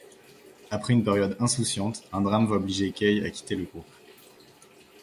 Après une période insouciante, un drame va obliger Kei à quitter le groupe...